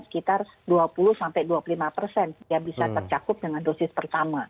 sekitar dua puluh sampai dua puluh lima persen ya bisa tercakup dengan dosis pertama